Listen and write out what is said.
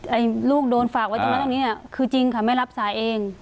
ไอ้ลูกโดนฝากไว้ตรงนั้นตรงนี้เนี่ยคือจริงค่ะไม่รับสายเอง